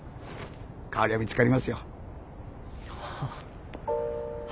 代わりは見つかりますよ。